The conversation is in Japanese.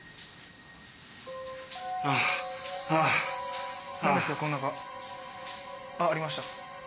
あっありました。